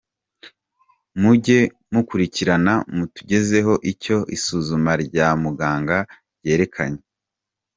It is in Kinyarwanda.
Muge mukurikirana mu tugezeho nicyo isuzuma rya muganga ryerekanye.